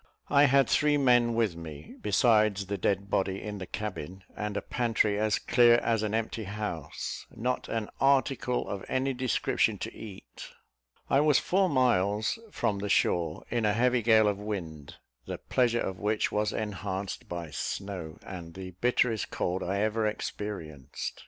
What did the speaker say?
I had three men with me, besides the dead body, in the cabin, and a pantry as clear as an empty house: not an article of any description to eat. I was four miles from the shore, in a heavy gale of wind, the pleasure of which was enhanced by snow, and the bitterest cold I ever experienced.